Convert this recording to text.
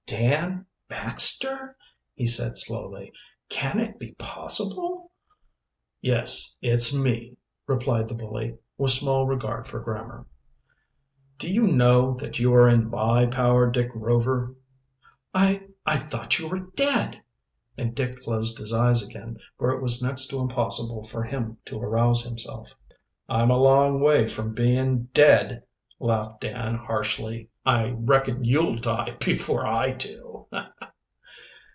"Dan Baxter!" he said slowly. "Can it be possible?" "Yes, it's me," replied the bully, with small regard for grammar. "Do you know that you are in my power, Dick Rover?" "I I thought you were dead," and Dick closed his eyes again, for it was next to impossible for him to arouse himself. "I'm a long way from being dead," laughed Dan harshly. "I reckon you'll die before I do."